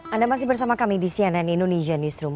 anda masih bersama kami di cnn indonesia newsroom